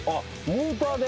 モーターで？